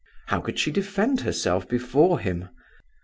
How could she defend herself before him?